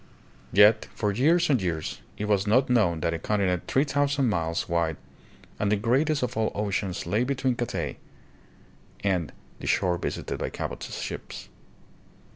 Yet for years and years it was not known that a continent three thousand miles wide and the greatest of all oceans lay between Cathay and the shore visited by Cabot's ships.